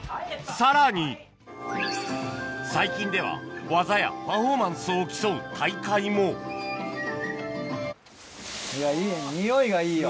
さらに最近では技やパフォーマンスを競う大会もうわいい匂いがいいよ。